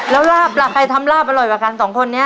แล้วลาบล่ะใครทำลาบอร่อยกว่ากันสองคนนี้